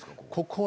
ここ。